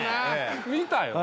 見たよね？